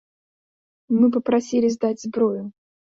Мы папрасілі здаць зброю.